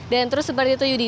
dan terus seperti itu yudi